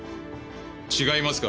違いますか？